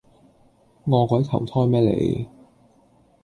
餓鬼投胎咩你